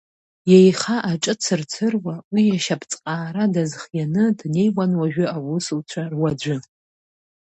Иеиха аҿы цырцыруа, уи ашьапҵҟаара дазхианы, днеиуан уажәы аусуцәа руаӡәы.